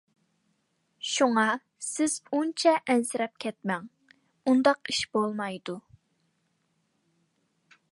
شۇڭا، سىز ئۇنچە ئەنسىرەپ كەتمەڭ، ئۇنداق ئىش بولمايدۇ.